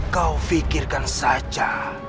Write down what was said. kau pikirkan saja